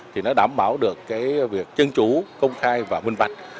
thì nó đảm bảo được cái việc chân chủ công khai và minh vạch